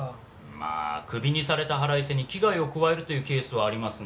まあクビにされた腹いせに危害を加えるというケースはありますが。